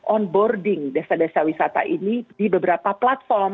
onboarding desa desa wisata ini di beberapa platform